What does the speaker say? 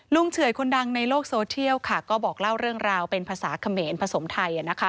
เฉื่อยคนดังในโลกโซเทียลก็บอกเล่าเรื่องราวเป็นภาษาเขมรผสมไทย